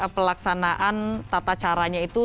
pelaksanaan tata caranya itu